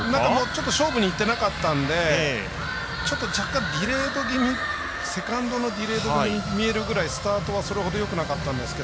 ちょっと勝負にいってなかったので若干セカンドのディレード気味に見えるぐらいスタートはそれほどよくなかったんですが。